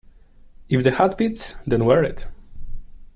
If the hat fits, then wear it!